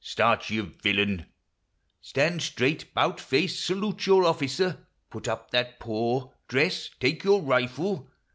Start, you villain ! Stand straight ! 'Bout face ! Salute your officer ! Put up that paw ! Dress ! Take your rifle